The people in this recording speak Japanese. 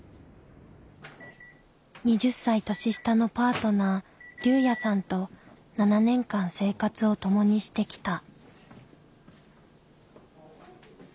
２０歳年下のパートナー竜也さんと７年間生活を共にしてきた。